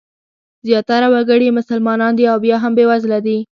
زیاتره وګړي یې مسلمانان دي او بیا هم بېوزله دي.